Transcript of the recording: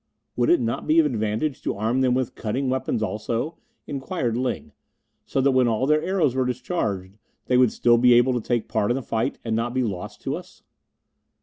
"Would it not be of advantage to arm them with cutting weapons also?" inquired Ling; "so that when all their arrows were discharged they would still be able to take part in the fight, and not be lost to us?"